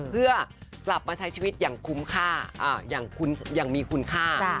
เพื่อกลับมาใช้ชีวิตอย่างคุ้มค่าอย่างมีคุณค่า